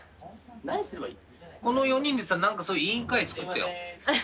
この４人でさなんかそういう委員会作ってよ。